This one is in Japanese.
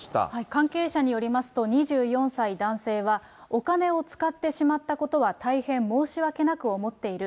関係者によりますと、２４歳男性は、お金を使ってしまったことは大変申し訳なく思っている。